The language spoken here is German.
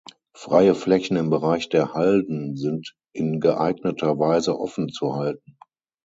Freie Flächen im Bereich der Halden sind in geeigneter Weise offen zu halten.